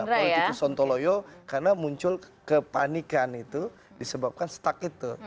politikus sontoloyo karena muncul kepanikan itu disebabkan stuck itu